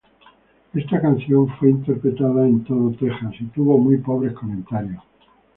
Esta canción fue interpretada en todo Texas y tuvo muy pobres comentarios.